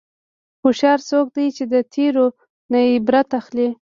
هوښیار څوک دی چې د تېرو نه عبرت اخلي.